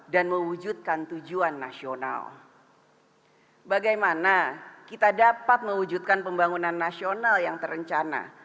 dan mewujudkan tujuan nasional bagaimana kita dapat mewujudkan pembangunan nasional yang terencana